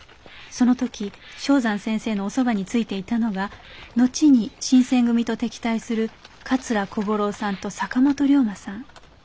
その時象山先生のお側についていたのが後に新選組と敵対する桂小五郎さんと坂本龍馬さん。